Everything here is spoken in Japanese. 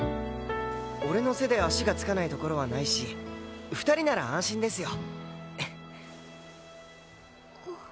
俺の背で足がつかない所はないし２人なら安心ですよ。